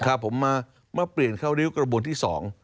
ครับผมมาเปลี่ยนเข้าริ้วกระบวนที่๒